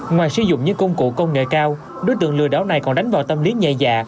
ngoài sử dụng những công cụ công nghệ cao đối tượng lừa đảo này còn đánh vào tâm lý nhẹ dạ